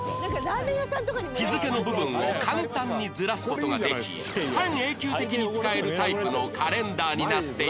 日付の部分を簡単にズラす事ができ半永久的に使えるタイプのカレンダーになっているんです